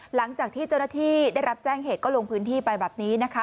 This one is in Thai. หลังจากที่เจ้าหน้าที่ได้รับแจ้งเหตุก็ลงพื้นที่ไปแบบนี้นะคะ